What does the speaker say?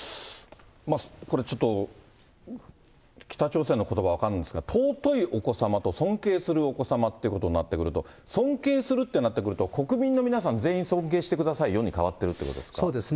これちょっと、北朝鮮のことば分からないんですが、尊いお子様と尊敬するお子様っていうことになってくると、尊敬するってなってくると、国民の皆さん全員尊敬してくださいよに変わそうですね。